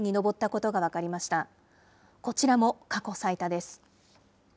こちらも過去最多です。